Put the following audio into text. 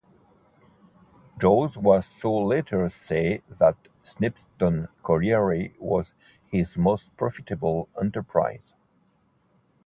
George was to later say that Snibston colliery was his most profitable enterprise.